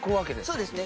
そうですね。